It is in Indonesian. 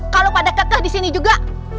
kalo pak deket dek disini juga